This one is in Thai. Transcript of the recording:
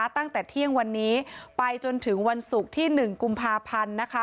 ตั้งแต่เที่ยงวันนี้ไปจนถึงวันศุกร์ที่๑กุมภาพันธ์